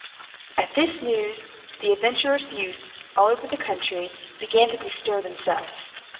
At this news, the adventurous youths, all over the country, began to bestir themselves.